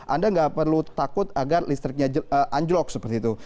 anda nggak perlu takut agar listriknya anjlok seperti itu